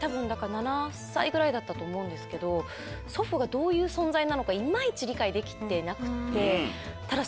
だったと思うんですけど祖父がどういう存在なのか今イチ理解できてなくって。